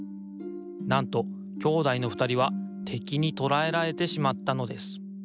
なんと兄弟のふたりはてきにとらえられてしまったのです。